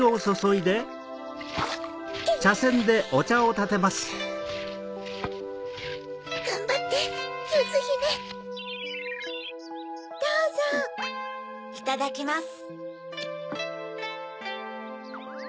・いただきます